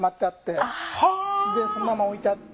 そのまま置いてあって。